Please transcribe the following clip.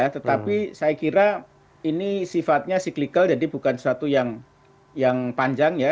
tetapi saya kira ini sifatnya cyclical jadi bukan sesuatu yang panjang ya